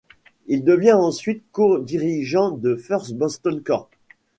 Il devient ensuite co-dirigeant de First Boston Corp.